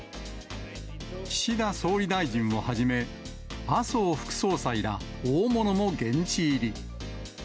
岸田総理大臣をはじめ、麻生副総裁ら大物も現地入り。